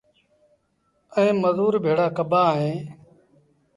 ائيٚݩ مزور ڀيڙآ ڪبآ اهيݩ